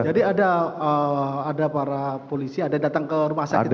jadi ada para polisi ada datang ke rumah sakit juga ya